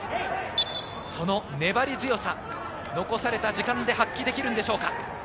その粘り強さ、残された時間で発揮できるんでしょうか。